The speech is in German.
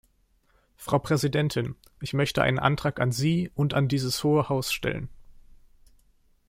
Frau Präsidentin, ich möchte einen Antrag an Sie und an dieses Hohe Haus stellen.